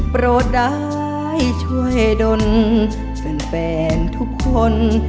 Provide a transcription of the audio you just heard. โปรดได้ช่วยดนแฟนทุกคน